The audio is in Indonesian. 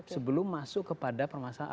sebelum masuk kepada kebijakan kebijakan lainnya